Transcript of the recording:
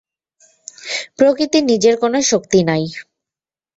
প্রকৃতির নিজের কোন শক্তি নাই।